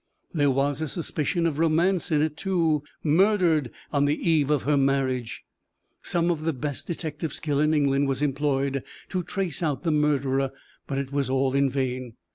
There was a suspicion of romance in it, too murdered on the eve of her marriage. Some of the best detective skill in England was employed to trace out the murderer; but it was all in vain.